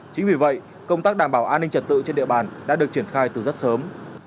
chính vì vậy công tác đảm bảo an ninh trật tự trên địa bàn đã được triển khai từ rất sớm